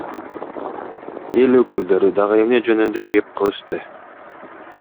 Эл өкүлдөрү дагы эмне жөнүндө кеп кылышты?